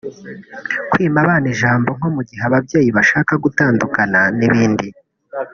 kwima abana ijambo nko mu gihe ababyeyi bashaka gutandukana n’ibindi